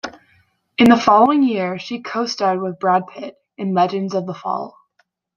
In the following year she co-starred with Brad Pitt in "Legends of the Fall".